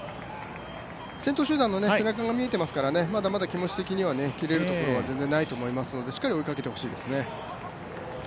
先頭集団の背中が見えていますので、まだまだ気持ち的には切れることは全然ないと思いますのでしっかりと追いかけてほしいです。